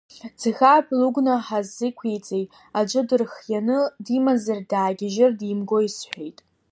Ӡӷабк лыгәнаҳа зиқәиҵеи, аӡәы дырхианы димазар даагьежьыр димгои, — сҳәеит.